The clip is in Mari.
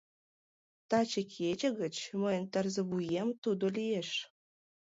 Таче кече гыч мыйын тарзывуем тудо лиеш.